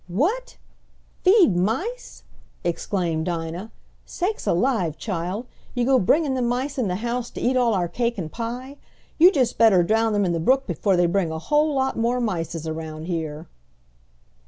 "What! Feed mice!" exclaimed Dinah "Sakes alive, chile! you go bringing dem mice in de house to eat all our cake and pie. You just better drown dem in de brook before dey bring a whole lot more mices around here."